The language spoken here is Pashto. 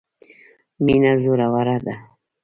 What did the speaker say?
مینه زوروره ده.